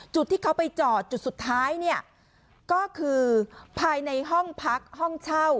จุดที่เขาไปจอดจุดสุดท้ายเนี่ยก็คือภายในห้องพักห้องเช่า